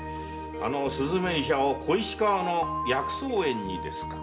雀医者を小石川の薬草園にですか。